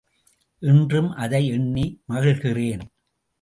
இன்றும் அதை எண்ணி மகிழ்கிறேன்.